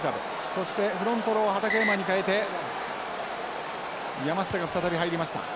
そしてフロントローは畠山に代えて山下が再び入りました。